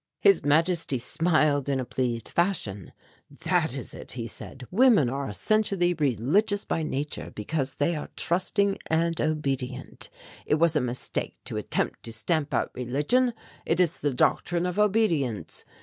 "His Majesty smiled in a pleased fashion. 'That is it,' he said, 'women are essentially religious by nature, because they are trusting and obedient. It was a mistake to attempt to stamp out religion. It is the doctrine of obedience.